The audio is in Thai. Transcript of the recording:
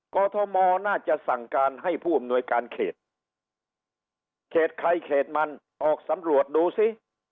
กรทมน่าจะสั่งการให้ผู้อำนวยการเขตเขตใครเขตมันออกสำรวจดูสิ